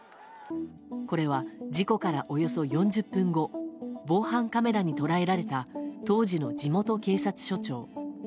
これは事故からおよそ４０分後防犯カメラに捉えられた当時の地元警察署長。